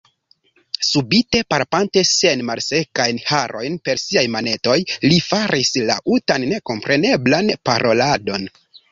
Subite palpante siajn malsekajn harojn per siaj manetoj, li faris laŭtan, nekompreneblan paroladon.